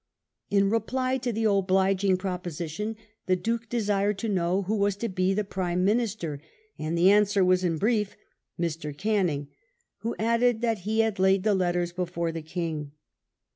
In reply to the "obliging proposition" the Duke desired to know who was to be the Prime Minister, and the answer was in brief Mr. Canning, who added that he had laid the letters before the King.